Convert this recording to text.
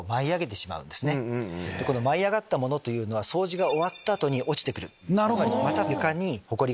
舞い上がったものというのは掃除が終わった後に落ちてくる。